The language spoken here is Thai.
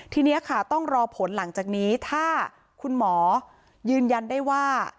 ทีนี้ค่ะต้องรอผลหลังจากนี้ถ้าคุณหมอยืนยันได้ว่า